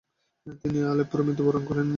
তিনি আলেপ্পোয় মৃত্যুবরণ করেন।